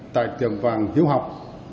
tại tiệm vàng hiếu học